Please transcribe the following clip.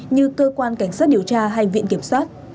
như cơ quan cảnh sát điều tra hay viện kiểm soát